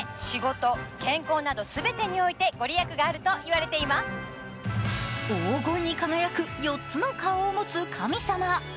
そして最後は黄金に輝く４つの顔を持つ神様。